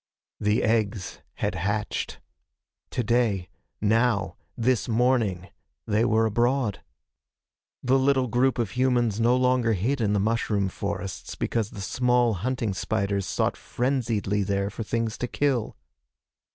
The eggs had hatched. Today now this morning they were abroad. The little group of humans no longer hid in the mushroom forests because the small hunting spiders sought frenziedly there for things to kill.